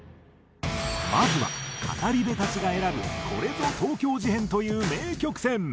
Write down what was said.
まずは語り部たちが選ぶ「コレぞ東京事変！！」という名曲選。